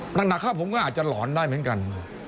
หนักครับผมก็อาจจะหลอนได้เหมือนกัน